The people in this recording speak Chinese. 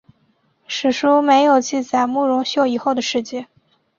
史书没有记载慕容秀以后的事迹。